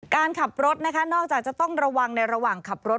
การขับรถนะคะนอกจากจะต้องระวังในระหว่างขับรถ